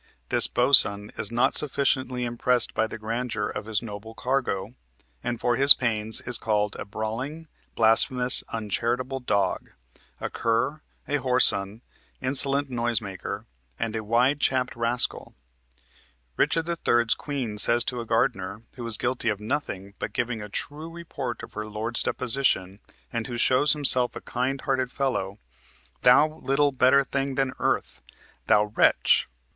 This boatswain is not sufficiently impressed by the grandeur of his noble cargo, and for his pains is called a "brawling, blasphemous, uncharitable dog," a "cur," a "whoreson, insolent noise maker," and a "wide chapped rascal." Richard III.'s Queen says to a gardener, who is guilty of nothing but giving a true report of her lord's deposition and who shows himself a kind hearted fellow, "Thou little better thing than earth," "thou wretch"!